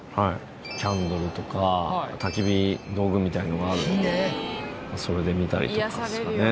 キャンドルとか焚き火道具みたいなのがあるのでそれで見たりとかですかね。